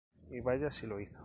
Y vaya si lo hizo.